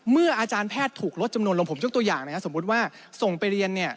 อาจารย์แพทย์ถูกลดจำนวนลงผมยกตัวอย่างนะครับสมมุติว่าส่งไปเรียนเนี่ย